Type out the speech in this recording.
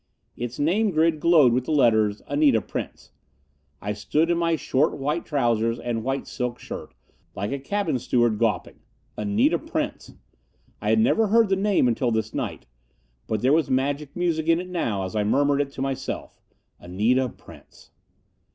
Its name grid glowed with the letters: "Anita Prince." I stood in my short white trousers and white silk shirt, like a cabin steward gawping. Anita Prince! I had never heard the name until this night. But there was magic music in it now, as I murmured it to myself. Anita Prince....